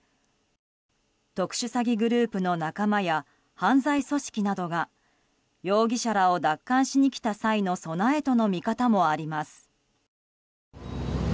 特殊詐欺グループの仲間や犯罪組織などが容疑者らを奪還しに来た際の備えとの見方もあります。